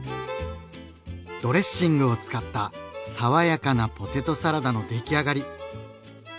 ドレッシングを使った爽やかなポテトサラダの出来上がり。